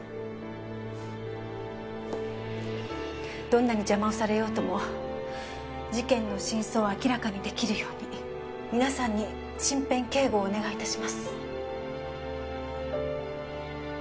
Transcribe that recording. どんなに邪魔をされようとも事件の真相を明らかに出来るように皆さんに身辺警護をお願い致します。